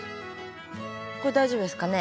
これ大丈夫ですかね？